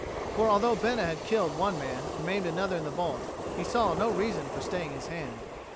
For although Bena had killed one man and maimed another in the vault, he saw no reason for staying his hand.